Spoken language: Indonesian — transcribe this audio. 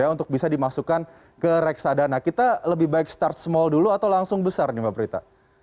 untuk bisa dimasukkan ke reksadana kita lebih baik start small dulu atau langsung besar nih mbak prita